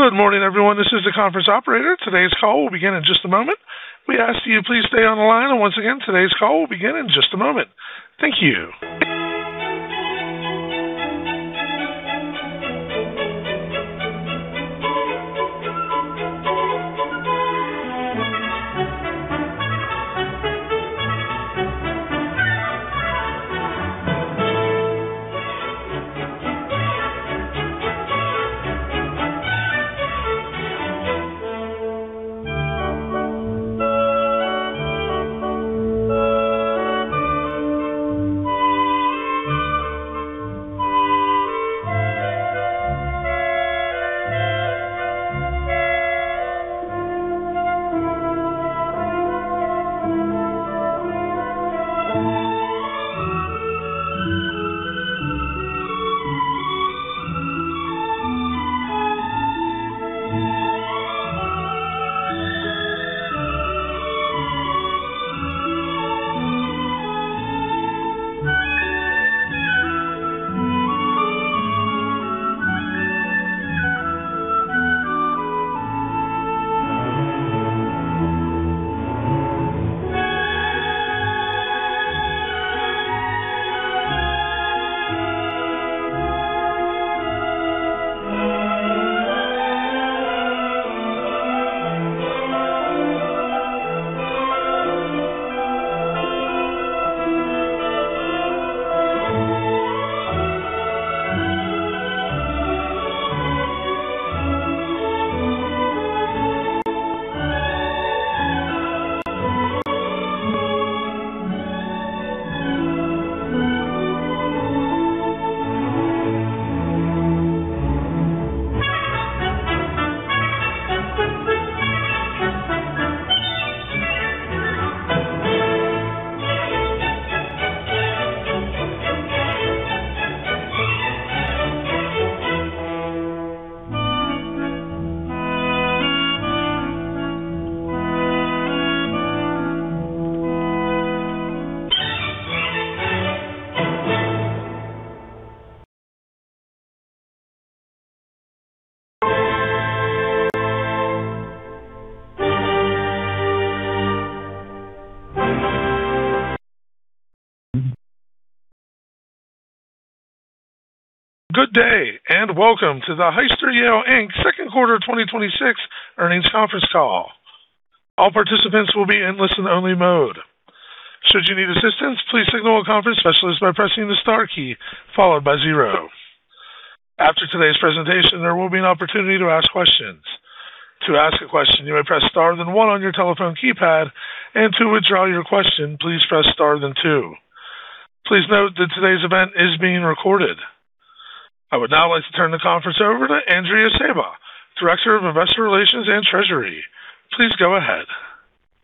Good morning, everyone. This is the conference operator. Today's call will begin in just a moment. We ask you please stay on the line. Once again, today's call will begin in just a moment. Thank you. Good day, and welcome to the Hyster-Yale, Inc. second quarter 2026 earnings conference call. All participants will be in listen-only mode. Should you need assistance, please signal a conference specialist by pressing the star key followed by zero. After today's presentation, there will be an opportunity to ask questions. To ask a question, you may press star, then one on your telephone keypad, and to withdraw your question, please press star, then two. Please note that today's event is being recorded. I would now like to turn the conference over to Andrea Sejba, Director of Investor Relations and Treasury. Please go ahead.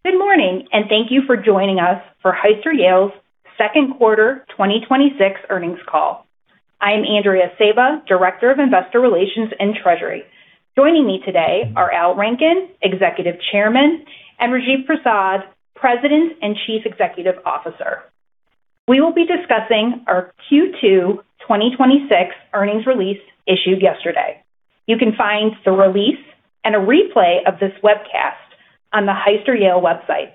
Good morning, and thank you for joining us for Hyster-Yale's second quarter 2026 earnings call. I am Andrea Sejba, Director of Investor Relations and Treasury. Joining me today are Al Rankin, Executive Chairman, and Rajiv Prasad, President and Chief Executive Officer. We will be discussing our Q2 2026 earnings release issued yesterday. You can find the release and a replay of this webcast on the Hyster-Yale website.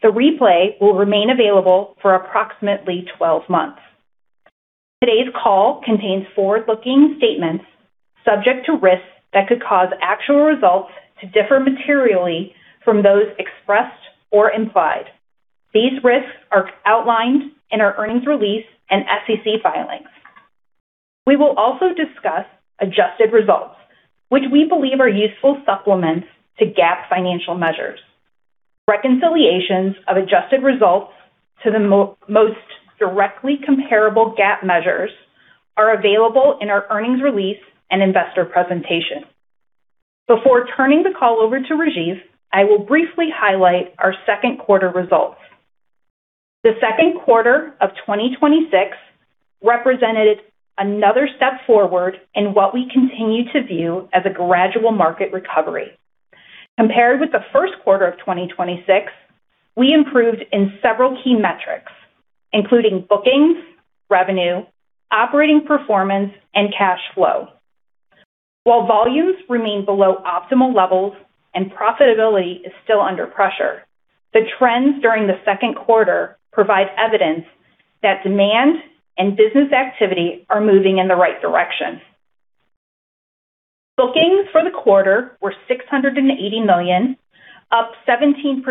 The replay will remain available for approximately 12 months. Today's call contains forward-looking statements subject to risks that could cause actual results to differ materially from those expressed or implied. These risks are outlined in our earnings release and SEC filings. We will also discuss adjusted results, which we believe are useful supplements to GAAP financial measures. Reconciliations of adjusted results to the most directly comparable GAAP measures are available in our earnings release and investor presentation. Before turning the call over to Rajiv, I will briefly highlight our second quarter results. The second quarter of 2026 represented another step forward in what we continue to view as a gradual market recovery. Compared with the first quarter of 2026, we improved in several key metrics, including bookings, revenue, operating performance, and cash flow. While volumes remain below optimal levels and profitability is still under pressure, the trends during the second quarter provide evidence that demand and business activity are moving in the right direction. Bookings for the quarter were $680 million, up 17%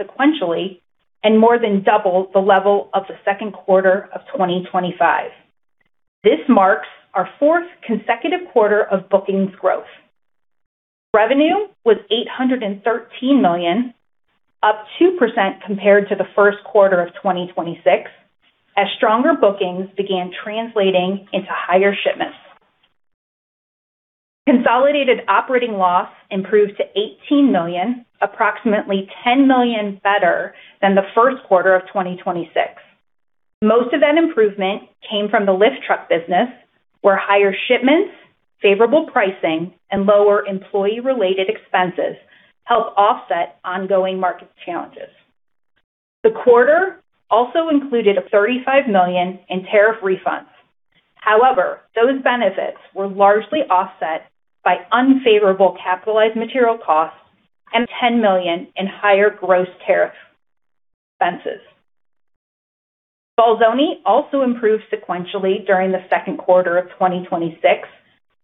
sequentially and more than double the level of the second quarter of 2025. This marks our fourth consecutive quarter of bookings growth. Revenue was $813 million, up 2% compared to the first quarter of 2026, as stronger bookings began translating into higher shipments. Consolidated operating loss improved to $18 million, approximately $10 million better than the first quarter of 2026. Most of that improvement came from the lift truck business, where higher shipments, favorable pricing, and lower employee-related expenses helped offset ongoing market challenges. The quarter also included a $35 million in tariff refunds. However, those benefits were largely offset by unfavorable capitalized material costs and $10 million in higher gross tariff expenses. Bolzoni also improved sequentially during the second quarter of 2026,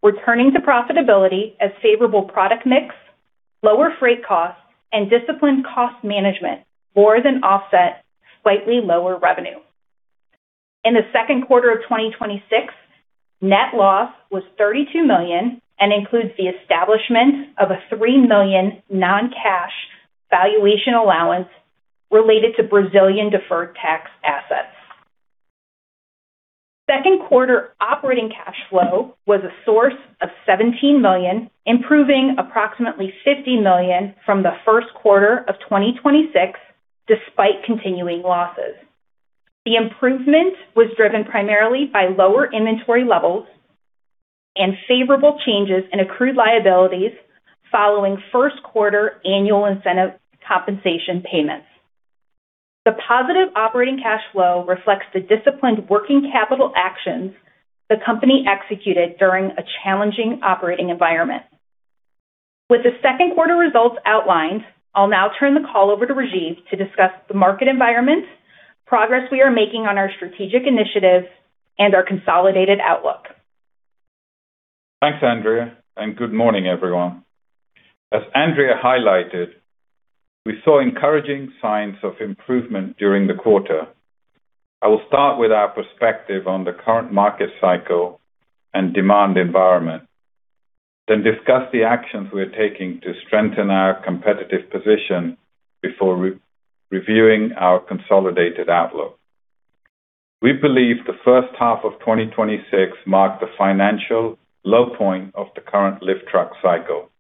returning to profitability as favorable product mix, lower freight costs, and disciplined cost management more than offset slightly lower revenue. In the second quarter of 2026, net loss was $32 million and includes the establishment of a $3 million non-cash valuation allowance related to Brazilian deferred tax assets. Second quarter operating cash flow was a source of $17 million, improving approximately $50 million from the first quarter of 2026, despite continuing losses. The improvement was driven primarily by lower inventory levels and favorable changes in accrued liabilities following first quarter annual incentive compensation payments. The positive operating cash flow reflects the disciplined working capital actions the company executed during a challenging operating environment. With the second quarter results outlined, I will now turn the call over to Rajiv to discuss the market environment, progress we are making on our strategic initiatives, and our consolidated outlook. Thanks, Andrea, good morning, everyone. As Andrea highlighted, we saw encouraging signs of improvement during the quarter. I will start with our perspective on the current market cycle and demand environment, then discuss the actions we are taking to strengthen our competitive position before reviewing our consolidated outlook. We believe the first half of 2026 marked the financial low point of the current lift truck cycle.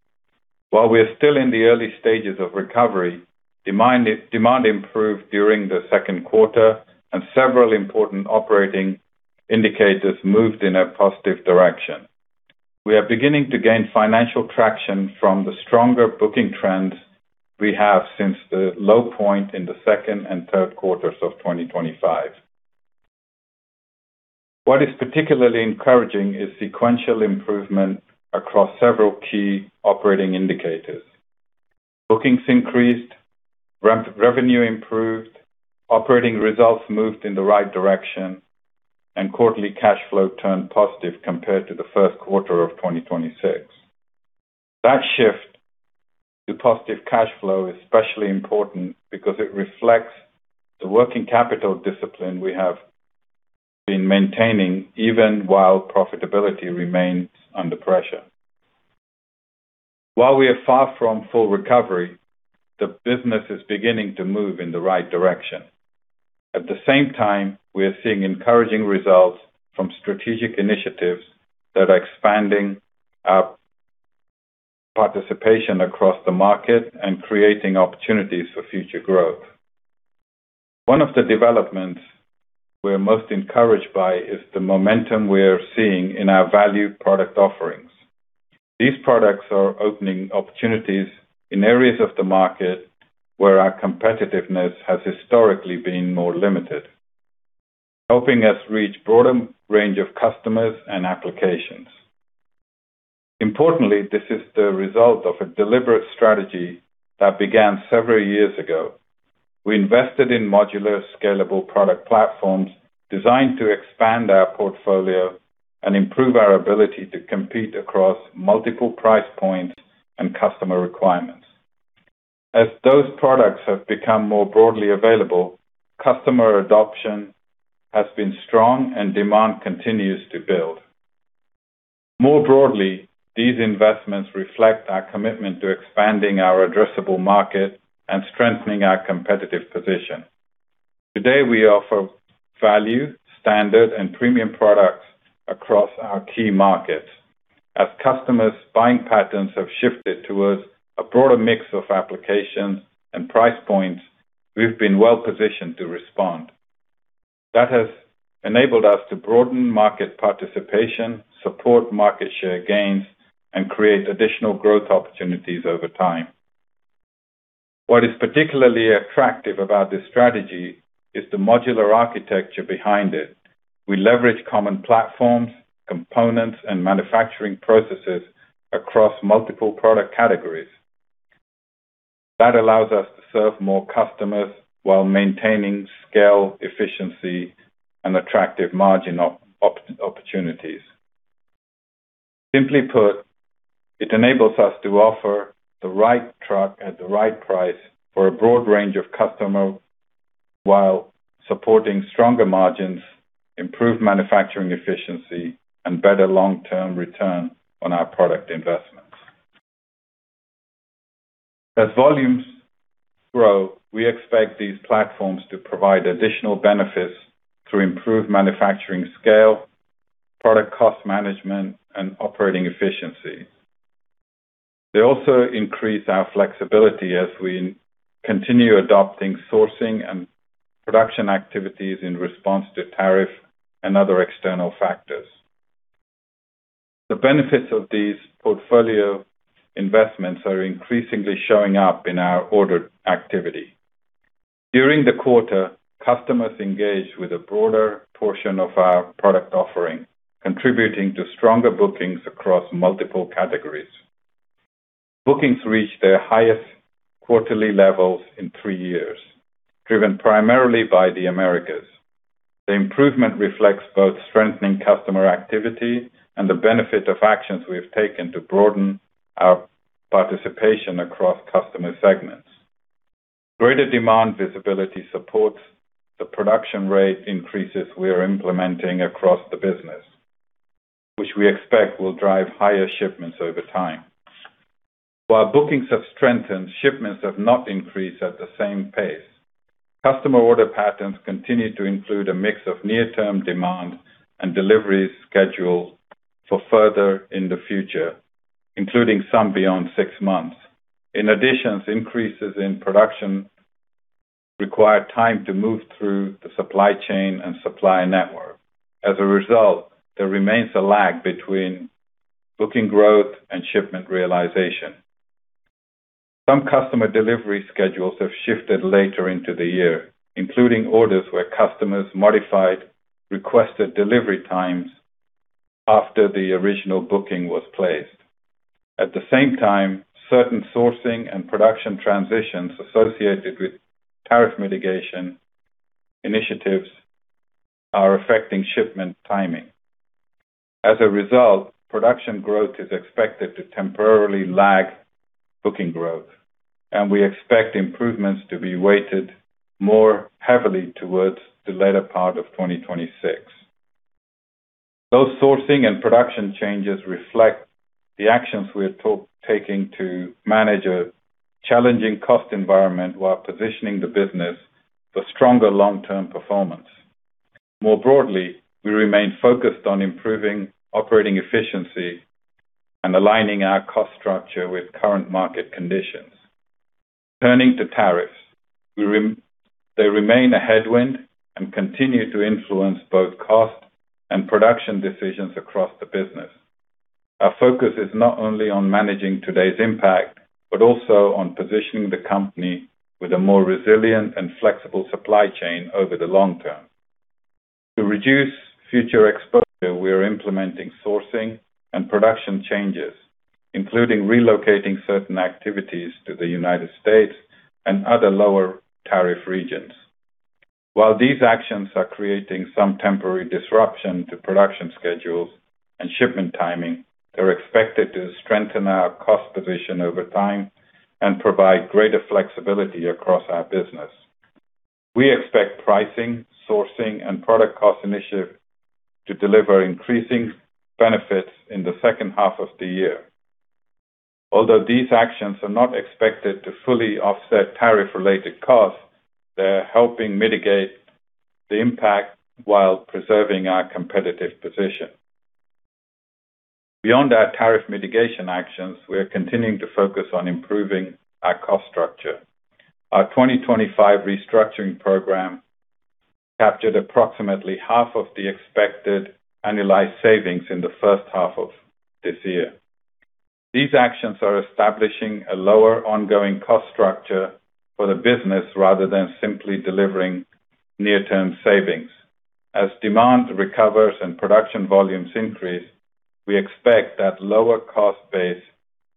While we are still in the early stages of recovery, demand improved during the second quarter and several important operating indicators moved in a positive direction. We are beginning to gain financial traction from the stronger booking trends we have since the low point in the second and third quarters of 2025. What is particularly encouraging is sequential improvement across several key operating indicators. Bookings increased, revenue improved, operating results moved in the right direction, and quarterly cash flow turned positive compared to the first quarter of 2026. That shift to positive cash flow is especially important because it reflects the working capital discipline we have been maintaining even while profitability remains under pressure. While we are far from full recovery, the business is beginning to move in the right direction. At the same time, we are seeing encouraging results from strategic initiatives that are expanding our participation across the market and creating opportunities for future growth. One of the developments we are most encouraged by is the momentum we are seeing in our value product offerings. These products are opening opportunities in areas of the market where our competitiveness has historically been more limited, helping us reach broader range of customers and applications. Importantly, this is the result of a deliberate strategy that began several years ago. We invested in modular, scalable product platforms designed to expand our portfolio and improve our ability to compete across multiple price points and customer requirements. As those products have become more broadly available, customer adoption has been strong and demand continues to build. More broadly, these investments reflect our commitment to expanding our addressable market and strengthening our competitive position. Today, we offer value, standard, and premium products across our key markets. As customers' buying patterns have shifted towards a broader mix of applications and price points, we have been well-positioned to respond. That has enabled us to broaden market participation, support market share gains, and create additional growth opportunities over time. What is particularly attractive about this strategy is the modular architecture behind it. We leverage common platforms, components, and manufacturing processes across multiple product categories. That allows us to serve more customers while maintaining scale, efficiency, and attractive margin opportunities. Simply put, it enables us to offer the right truck at the right price for a broad range of customers while supporting stronger margins, improved manufacturing efficiency, and better long-term return on our product investments. As volumes grow, we expect these platforms to provide additional benefits through improved manufacturing scale, product cost management, and operating efficiency. They also increase our flexibility as we continue adopting sourcing and production activities in response to tariff and other external factors. The benefits of these portfolio investments are increasingly showing up in our order activity. During the quarter, customers engaged with a broader portion of our product offering, contributing to stronger bookings across multiple categories. Bookings reached their highest quarterly levels in three years, driven primarily by the Americas. The improvement reflects both strengthening customer activity and the benefit of actions we have taken to broaden our participation across customer segments. Greater demand visibility supports the production rate increases we are implementing across the business, which we expect will drive higher shipments over time. While bookings have strengthened, shipments have not increased at the same pace. Customer order patterns continue to include a mix of near-term demand and deliveries scheduled for further in the future, including some beyond six months. In addition, increases in production require time to move through the supply chain and supply network. As a result, there remains a lag between booking growth and shipment realization. Some customer delivery schedules have shifted later into the year, including orders where customers modified requested delivery times after the original booking was placed. At the same time, certain sourcing and production transitions associated with tariff mitigation initiatives are affecting shipment timing. As a result, production growth is expected to temporarily lag booking growth, and we expect improvements to be weighted more heavily towards the latter part of 2026. Those sourcing and production changes reflect the actions we are taking to manage a challenging cost environment while positioning the business for stronger long-term performance. More broadly, we remain focused on improving operating efficiency and aligning our cost structure with current market conditions. Turning to tariffs, they remain a headwind and continue to influence both cost and production decisions across the business. Our focus is not only on managing today's impact, but also on positioning the company with a more resilient and flexible supply chain over the long term. To reduce future exposure, we are implementing sourcing and production changes, including relocating certain activities to the United States and other lower tariff regions. While these actions are creating some temporary disruption to production schedules and shipment timing, they're expected to strengthen our cost position over time and provide greater flexibility across our business. We expect pricing, sourcing, and product cost initiatives to deliver increasing benefits in the second half of the year. Although these actions are not expected to fully offset tariff-related costs, they're helping mitigate the impact while preserving our competitive position. Beyond our tariff mitigation actions, we are continuing to focus on improving our cost structure. Our 2025 restructuring program captured approximately half of the expected annualized savings in the first half of this year. These actions are establishing a lower ongoing cost structure for the business rather than simply delivering near-term savings. As demand recovers and production volumes increase, we expect that lower cost base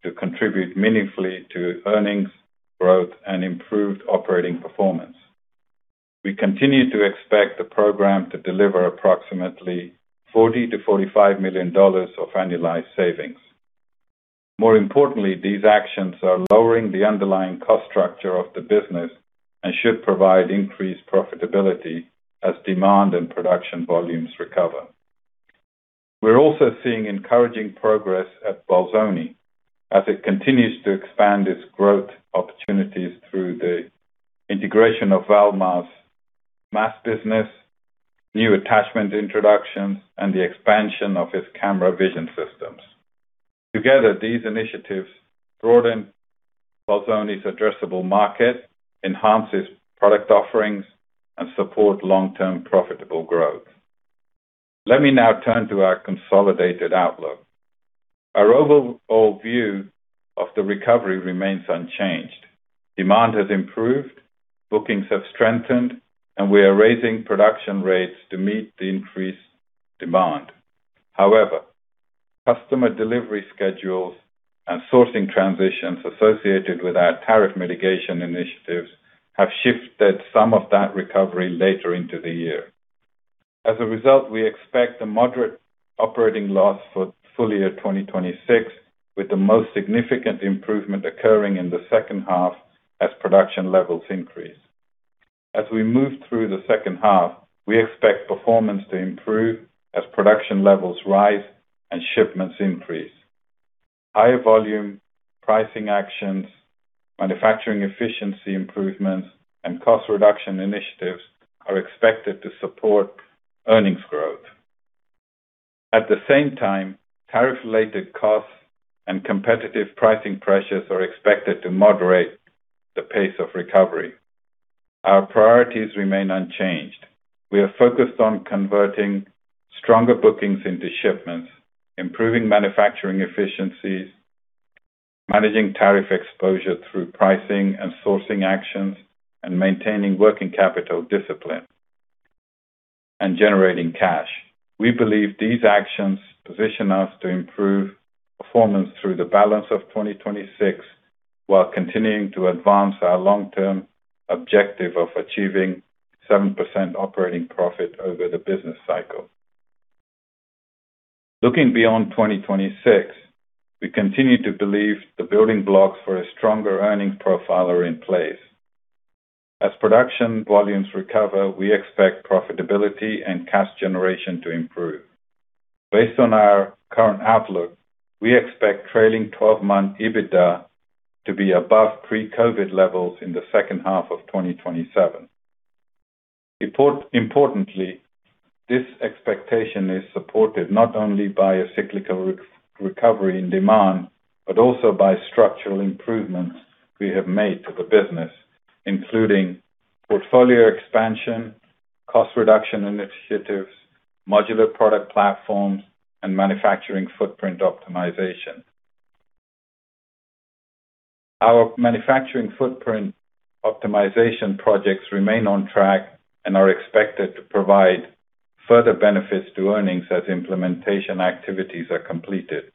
to contribute meaningfully to earnings growth and improved operating performance. We continue to expect the program to deliver approximately $40 million-$45 million of annualized savings. More importantly, these actions are lowering the underlying cost structure of the business and should provide increased profitability as demand and production volumes recover. We're also seeing encouraging progress at Bolzoni as it continues to expand its growth opportunities through the integration of Valmar's mast business, new attachment introductions, and the expansion of its camera vision systems. Together, these initiatives broaden Bolzoni's addressable market, enhance its product offerings, and support long-term profitable growth. Let me now turn to our consolidated outlook. Our overall view of the recovery remains unchanged. Demand has improved, bookings have strengthened, and we are raising production rates to meet the increased demand. However, customer delivery schedules and sourcing transitions associated with our tariff mitigation initiatives have shifted some of that recovery later into the year. As a result, we expect a moderate operating loss for full-year 2026, with the most significant improvement occurring in the second half as production levels increase. As we move through the second half, we expect performance to improve as production levels rise and shipments increase. Higher volume, pricing actions, manufacturing efficiency improvements, and cost reduction initiatives are expected to support earnings growth. At the same time, tariff-related costs and competitive pricing pressures are expected to moderate the pace of recovery. Our priorities remain unchanged. We are focused on converting stronger bookings into shipments, improving manufacturing efficiencies, managing tariff exposure through pricing and sourcing actions, and maintaining working capital discipline and generating cash. We believe these actions position us to improve performance through the balance of 2026, while continuing to advance our long-term objective of achieving 7% operating profit over the business cycle. Looking beyond 2026, we continue to believe the building blocks for a stronger earnings profile are in place. As production volumes recover, we expect profitability and cash generation to improve. Based on our current outlook, we expect trailing 12-month EBITDA to be above pre-COVID levels in the second half of 2027. Importantly, this expectation is supported not only by a cyclical recovery in demand, but also by structural improvements we have made to the business, including portfolio expansion, cost reduction initiatives, modular product platforms, and manufacturing footprint optimization. Our manufacturing footprint optimization projects remain on track and are expected to provide further benefits to earnings as implementation activities are completed.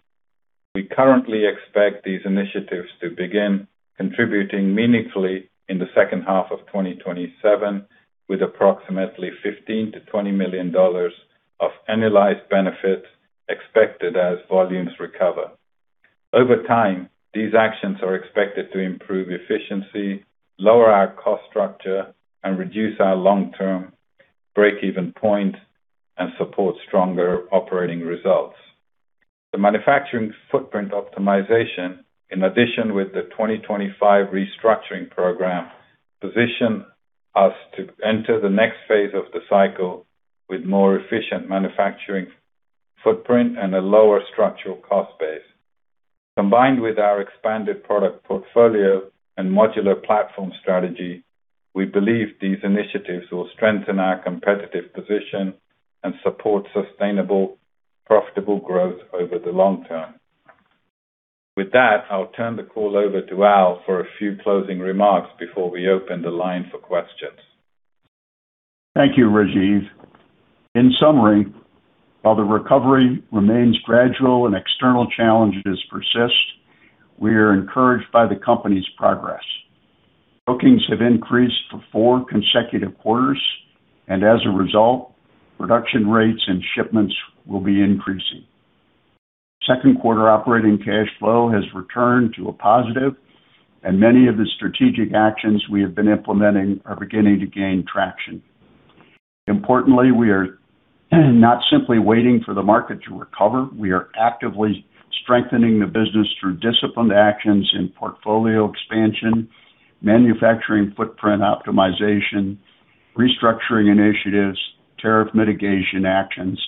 We currently expect these initiatives to begin contributing meaningfully in the second half of 2026, with approximately $15 million-$20 million of annualized benefits expected as volumes recover. Over time, these actions are expected to improve efficiency, lower our cost structure, and reduce our long-term break-even point and support stronger operating results. The manufacturing footprint optimization, in addition with the 2025 restructuring program, position us to enter the next phase of the cycle with more efficient manufacturing footprint and a lower structural cost base. Combined with our expanded product portfolio and modular platform strategy, we believe these initiatives will strengthen our competitive position and support sustainable, profitable growth over the long-term. With that, I'll turn the call over to Al for a few closing remarks before we open the line for questions. Thank you, Rajiv. In summary, while the recovery remains gradual and external challenges persist, we are encouraged by the company's progress. Bookings have increased for four consecutive quarters, and as a result, production rates and shipments will be increasing. Second quarter operating cash flow has returned to a positive, and many of the strategic actions we have been implementing are beginning to gain traction. Importantly, we are not simply waiting for the market to recover. We are actively strengthening the business through disciplined actions in portfolio expansion, manufacturing footprint optimization, restructuring initiatives, tariff mitigation actions,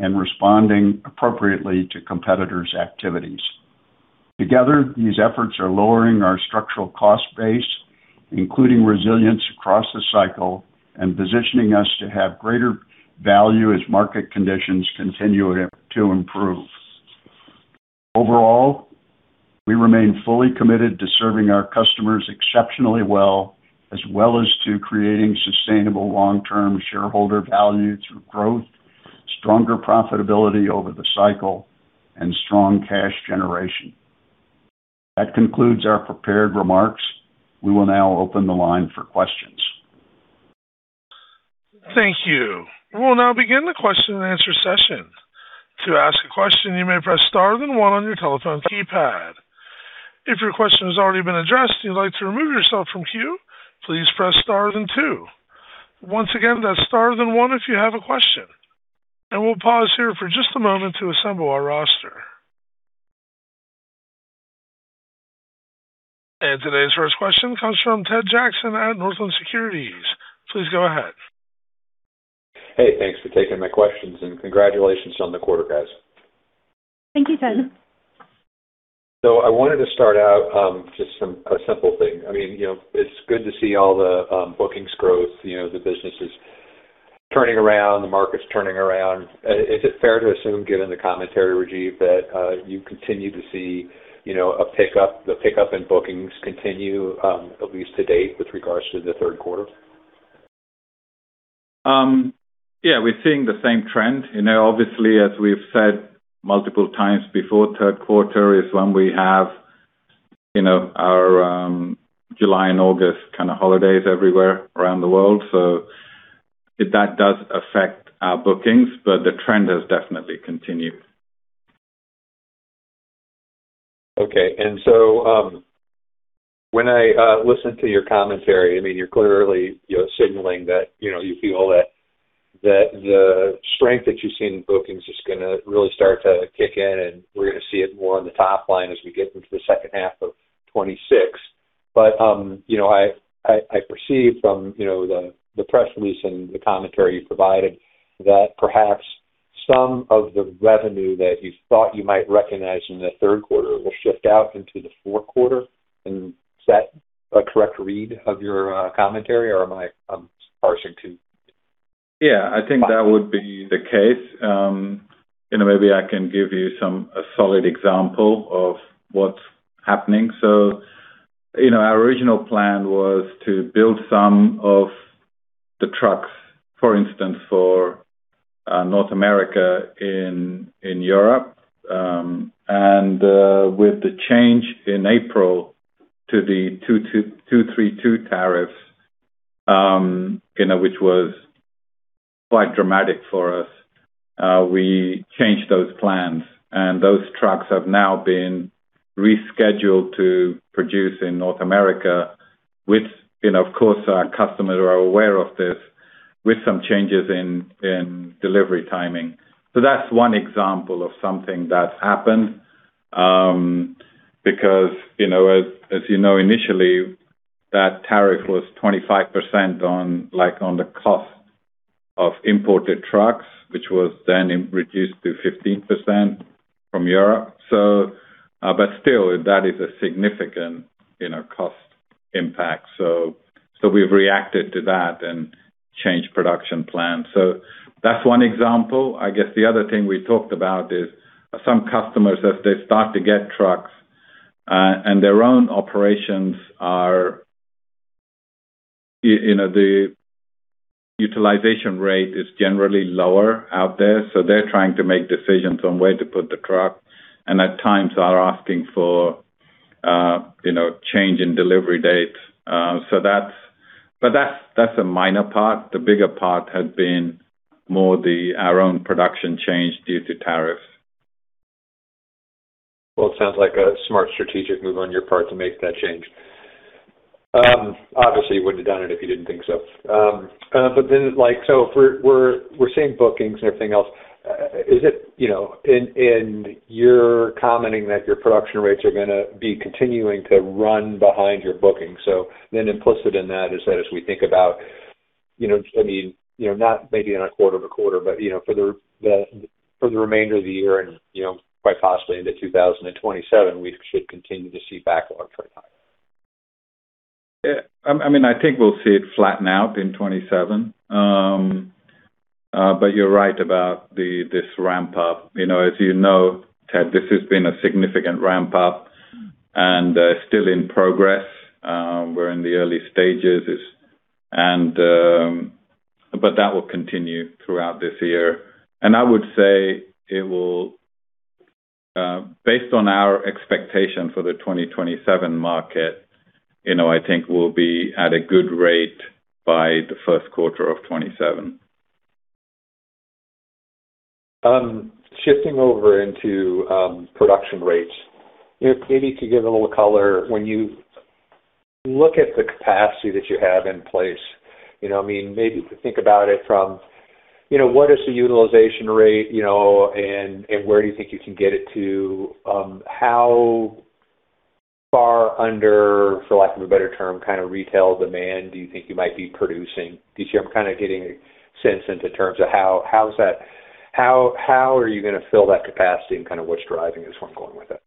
and responding appropriately to competitors' activities. Together, these efforts are lowering our structural cost base, including resilience across the cycle and positioning us to have greater value as market conditions continue to improve. Overall, we remain fully committed to serving our customers exceptionally well, as well as to creating sustainable long-term shareholder value through growth, stronger profitability over the cycle, and strong cash generation. That concludes our prepared remarks. We will now open the line for questions. Thank you. We will now begin the question-and-answer session. To ask a question, you may press star then one on your telephone keypad. If your question has already been addressed and you'd like to remove yourself from queue, please press star then two. Once again, that's star then one if you have a question. We'll pause here for just a moment to assemble our roster. Today's first question comes from Ted Jackson at Northland Securities. Please go ahead. Hey, thanks for taking my questions, and congratulations on the quarter, guys. Thank you, Ted. I wanted to start out, just a simple thing. It's good to see all the bookings growth. The business is turning around, the market's turning around. Is it fair to assume, given the commentary, Rajiv, that you continue to see the pickup in bookings continue, at least to date, with regards to the third quarter? Yeah, we're seeing the same trend. Obviously, as we've said multiple times before, third quarter is when we have our July and August kind of holidays everywhere around the world. So that does affect our bookings, but the trend has definitely continued. Okay. When I listen to your commentary, you're clearly signaling that you feel that the strength that you've seen in bookings is going to really start to kick in, and we're going to see it more in the top line as we get into the second half of 2026. I perceive from the press release and the commentary you provided that perhaps some of the revenue that you thought you might recognize in the third quarter will shift out into the fourth quarter. Is that a correct read of your commentary, or am I parsing? I think that would be the case. Maybe I can give you a solid example of what's happening. Our original plan was to build some of the trucks, for instance, for North America in Europe. With the change in April to the 232 tariffs which was quite dramatic for us, we changed those plans, and those trucks have now been rescheduled to produce in North America, which, of course, our customers are aware of this, with some changes in delivery timing. That's one example of something that's happened. Because, as you know, initially, that tariff was 25% on the cost of imported trucks, which was then reduced to 15% from Europe. Still, that is a significant cost impact. We've reacted to that and changed production plans. That's one example. I guess the other thing we talked about is some customers, as they start to get trucks, and their own operations. The utilization rate is generally lower out there. They're trying to make decisions on where to put the truck, and at times are asking for change in delivery dates. That's a minor part. The bigger part has been more our own production change due to tariffs. It sounds like a smart strategic move on your part to make that change. Obviously, you wouldn't have done it if you didn't think so. If we're seeing bookings and everything else, and you're commenting that your production rates are going to be continuing to run behind your bookings. Implicit in that is that as we think about, not maybe in a quarter-to-quarter, but for the remainder of the year and quite possibly into 2027, we should continue to see backlogs recover. I think we'll see it flatten out in 2027. You're right about this ramp-up. As you know, Ted, this has been a significant ramp-up and still in progress. We're in the early stages. That will continue throughout this year. I would say based on our expectation for the 2027 market, I think we'll be at a good rate by the first quarter of 2027. Shifting over into production rates, maybe to give a little color, when you look at the capacity that you have in place, maybe to think about it from what is the utilization rate, and where do you think you can get it to? How far under, for lack of a better term, retail demand do you think you might be producing this year? I'm kind of getting a sense into terms of how are you going to fill that capacity and what's driving this, if I'm going with it.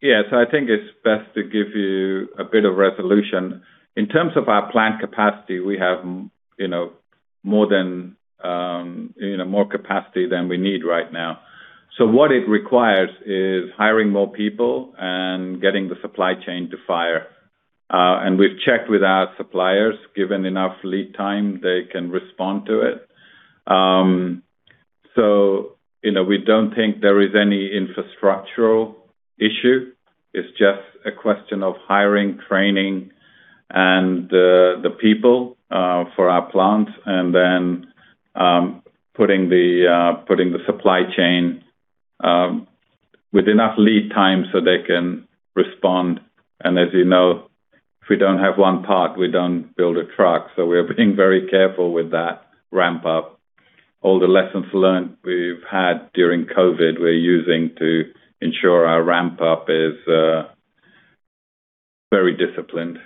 Yeah. I think it's best to give you a bit of resolution. In terms of our plant capacity, we have more capacity than we need right now. What it requires is hiring more people and getting the supply chain to fire. We've checked with our suppliers, given enough lead time, they can respond to it. We don't think there is any infrastructural issue. It's just a question of hiring, training, and the people for our plant, and then putting the supply chain with enough lead time so they can respond. As you know, if we don't have one part, we don't build a truck. We're being very careful with that ramp-up. All the lessons learned we've had during COVID, we're using to ensure our ramp-up is very disciplined.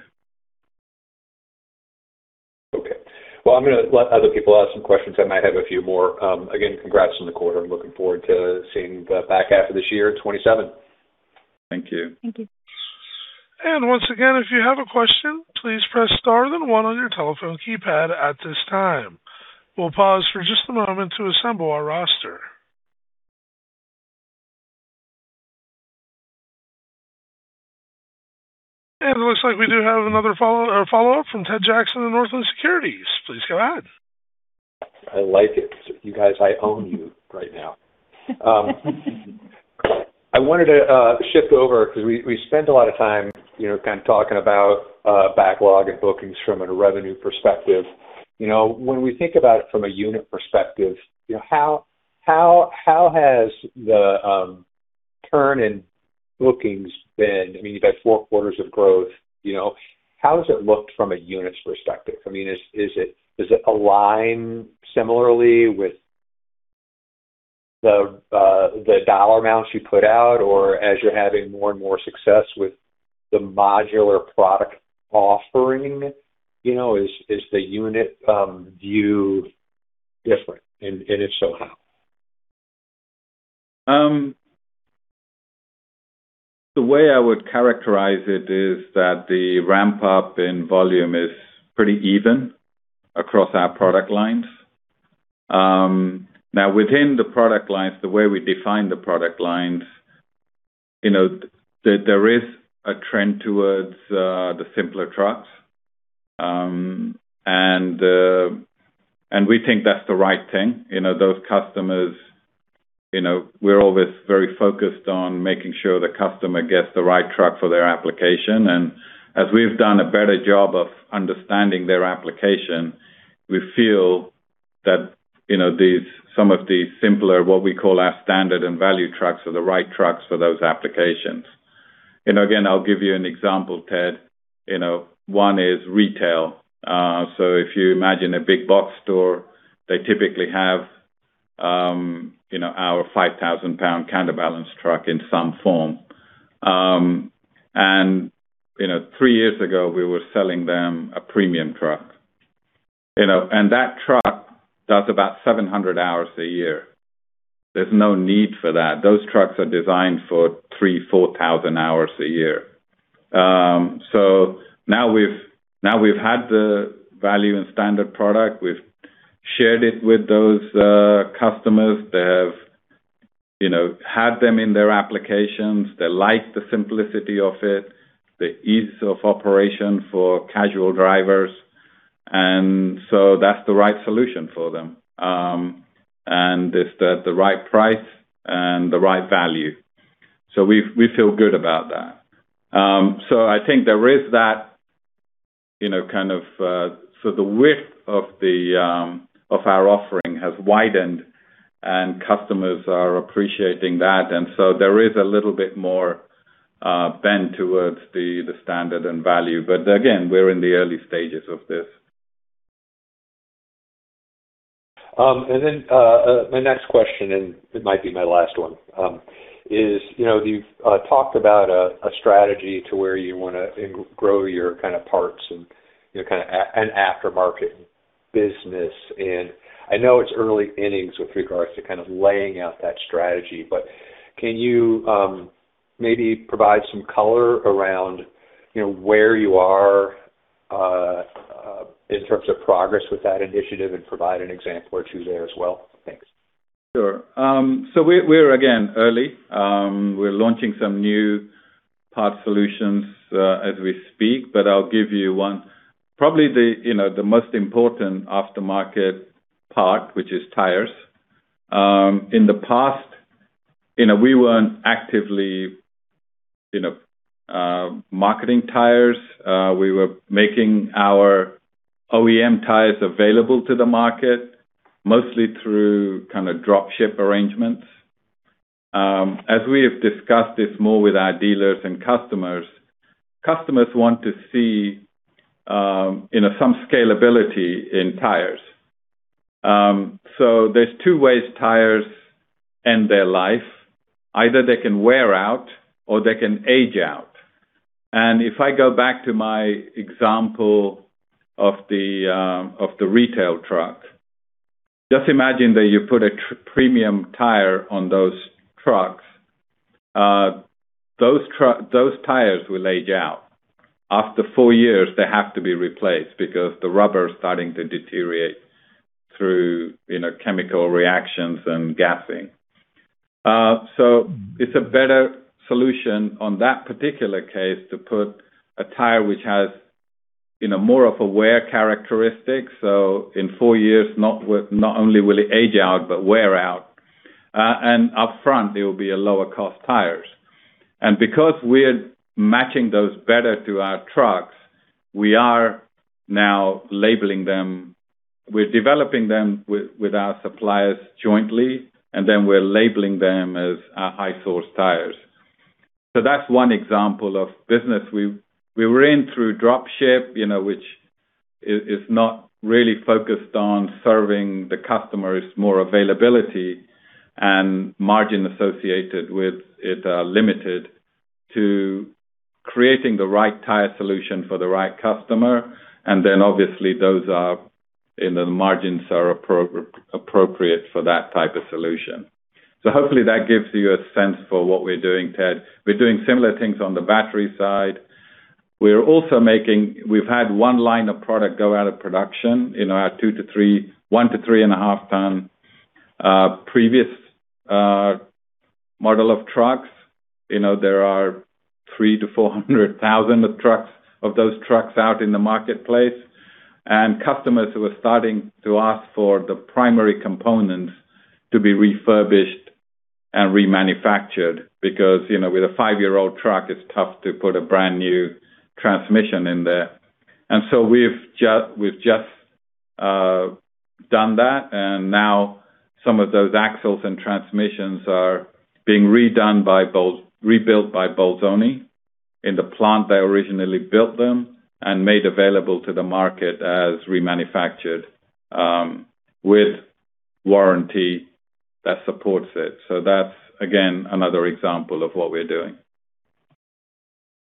Okay. Well, I'm going to let other people ask some questions. I might have a few more. Again, congrats on the quarter. I'm looking forward to seeing the back half of this year and 2027. Thank you. Thank you. Once again, if you have a question, please press star then one on your telephone keypad at this time. We'll pause for just a moment to assemble our roster. It looks like we do have another follow-up from Ted Jackson of Northland Securities. Please go ahead. I like it. You guys, I own you right now. I wanted to shift over because we spent a lot of time, kind of talking about backlog and bookings from a revenue perspective. When we think about it from a unit perspective, how has the turn in bookings been? You've had four quarters of growth. How has it looked from a units perspective? Does it align similarly with the dollar amounts you put out, or as you're having more and more success with the modular product offering, is the unit viewed different, and if so, how? The way I would characterize it is that the ramp-up in volume is pretty even across our product lines. Within the product lines, the way we define the product lines, there is a trend towards the simpler trucks. We think that's the right thing. Those customers, we're always very focused on making sure the customer gets the right truck for their application. As we've done a better job of understanding their application, we feel that some of these simpler, what we call our standard and value trucks, are the right trucks for those applications. Again, I'll give you an example, Ted. One is retail. If you imagine a big box store, they typically have our 5,000 lb counterbalance truck in some form. Three years ago, we were selling them a premium truck. That truck does about 700 hours a year. There's no need for that. Those trucks are designed for 3,000, 4,000 hours a year. Now we've had the value and standard product. We've shared it with those customers. They have had them in their applications. They like the simplicity of it, the ease of operation for casual drivers. That's the right solution for them. It's the right price and the right value. We feel good about that. The width of our offering has widened, and customers are appreciating that. There is a little bit more bend towards the standard and value. Again, we're in the early stages of this. My next question, and it might be my last one, is, you've talked about a strategy to where you want to grow your parts and kind of an aftermarket business. I know it's early innings with regards to kind of laying out that strategy, but can you maybe provide some color around where you are in terms of progress with that initiative and provide an example or two there as well? Thanks. Sure. We're, again, early. We're launching some new part solutions as we speak, but I'll give you one. Probably the most important aftermarket part, which is tires. In the past, we weren't actively marketing tires. We were making our OEM tires available to the market, mostly through kind of drop ship arrangements. As we have discussed this more with our dealers and customers want to see some scalability in tires. There's two ways tires end their life. Either they can wear out or they can age out. If I go back to my example of the retail truck, just imagine that you put a premium tire on those trucks. Those tires will age out. After four years, they have to be replaced because the rubber is starting to deteriorate through chemical reactions and gassing. It's a better solution on that particular case to put a tire which has more of a wear characteristic. In four years, not only will it age out, but wear out. Upfront, they will be a lower cost tires. Because we're matching those better to our trucks, we are now labeling them. We're developing them with our suppliers jointly, and then we're labeling them as our Hyster tires. That's one example of business. We were in through drop ship, which is not really focused on serving the customer, it's more availability, and margin associated with it are limited to creating the right tire solution for the right customer. Obviously those are, the margins are appropriate for that type of solution. Hopefully that gives you a sense for what we're doing, Ted. We're doing similar things on the battery side. We've had one line of product go out of production, our 1-3.5 tons previous model of trucks. There are 300,000-400,000 of those trucks out in the marketplace. Customers were starting to ask for the primary components to be refurbished and remanufactured because, with a five-year-old truck, it's tough to put a brand-new transmission in there. We've just done that, and now some of those axles and transmissions are being rebuilt by Bolzoni in the plant they originally built them and made available to the market as remanufactured with Warranty that supports it. That's, again, another example of what we're doing.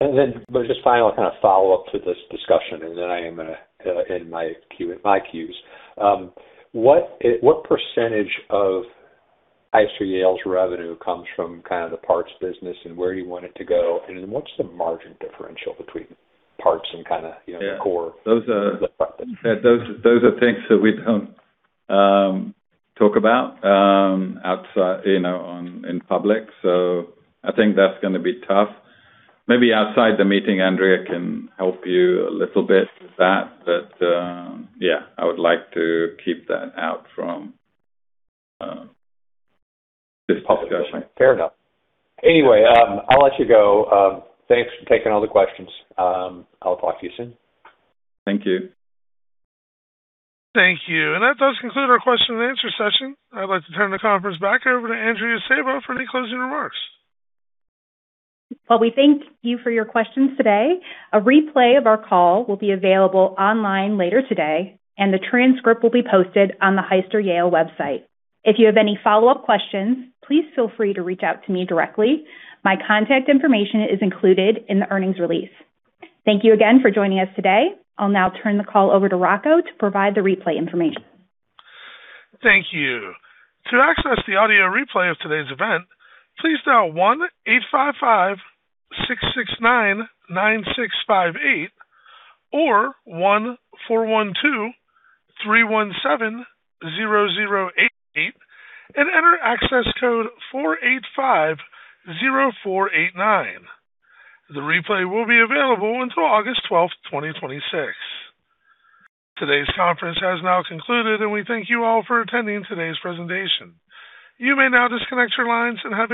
Just final kind of follow-up to this discussion, then I am going to end my Qs. What percentage of Hyster-Yale's revenue comes from kind of the parts business and where do you want it to go? What's the margin differential between parts and kind of core. Yeah. Those are things that we don't talk about in public. I think that's going to be tough. Maybe outside the meeting, Andrea can help you a little bit with that. Yeah, I would like to keep that out from this publication. Fair enough. Anyway, I'll let you go. Thanks for taking all the questions. I'll talk to you soon. Thank you. Thank you. That does conclude our question-and-answer session. I'd like to turn the conference back over to Andrea Sejba for any closing remarks. Well, we thank you for your questions today. A replay of our call will be available online later today, the transcript will be posted on the Hyster-Yale website. If you have any follow-up questions, please feel free to reach out to me directly. My contact information is included in the earnings release. Thank you again for joining us today. I'll now turn the call over to Rocco to provide the replay information. Thank you. To access the audio replay of today's event, please dial 1-855-669-9658 or 1-412-317-0088 and enter access code 4850489. The replay will be available until August 12th, 2026. Today's conference has now concluded. We thank you all for attending today's presentation. You may now disconnect your lines. And have-